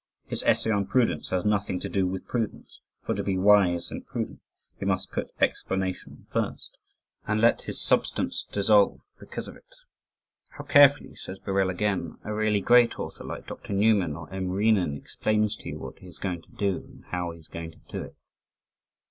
His essay on Prudence has nothing to do with prudence, for to be wise and prudent he must put explanation first, and let his substance dissolve because of it. "How carefully," says Birrell again, "a really great author like Dr. Newman, or M. Renan, explains to you what he is going to do, and how he is going to do it."